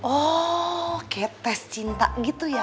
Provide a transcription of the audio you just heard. oh oke tes cinta gitu ya